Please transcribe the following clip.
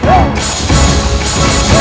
tidak ada yang bisa membatalkan